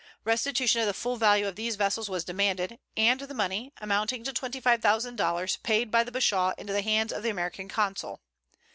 Restitution of the full value of these vessels was demanded, and the money, amounting to twenty five thousand dollars, paid by the bashaw into the hands of the American consul.